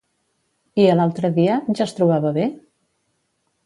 I a l'altre dia, ja es trobava bé?